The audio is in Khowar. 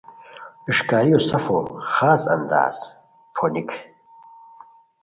اݰکاری سفو خاص اندازا پھونیک